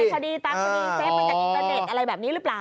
เป็นใจคดีตามคดีเจ๊เป็นใจคดีเป็นเด็ดอะไรแบบนี้หรือเปล่า